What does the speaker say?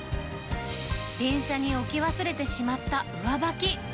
電車に置き忘れてしまった上履き。